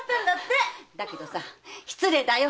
だけど失礼だよ。